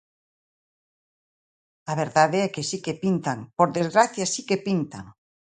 A verdade é que si que pintan, ¡por desgraza si que pintan!